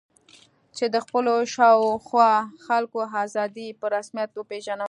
چې د خپلو شا او خوا خلکو آزادي په رسمیت وپېژنم.